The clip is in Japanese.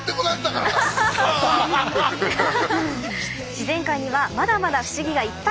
自然界にはまだまだ不思議がいっぱい！